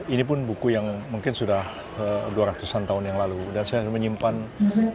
ini pun buku yang mungkin sudah dua ratus an tahun yang lalu dan saya menyimpan